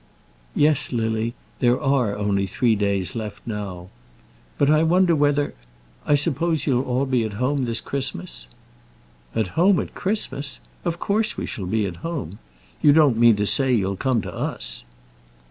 "Yes, Lily; there are only three days left now. But I wonder whether I suppose you'll all be at home at Christmas?" "At home at Christmas? of course we shall be at home. You don't mean to say you'll come to us!"